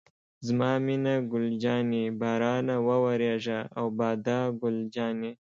زما مینه ګل جانې، بارانه وورېږه او باده ګل جانې.